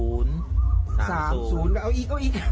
อุ้ย๓๐๓๐๓๐เอาอีกเอาอีก